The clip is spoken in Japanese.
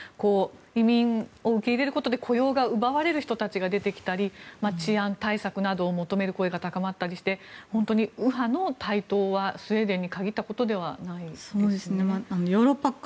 移民を受け入れることで雇用が奪われる人たちが出てきたり治安対策などを求める声が高まったりして本当に右派の台頭はスウェーデンに限ったことではないですね。